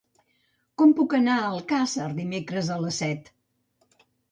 Com puc anar a Alcàsser dimecres a les set?